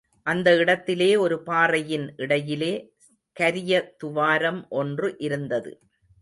அந்த இடத்திலே ஒரு பாறையின் இடையிலே, கரிய துவாரம் ஒன்று இருந்தது.